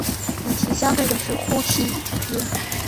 与其相对的是呼气音。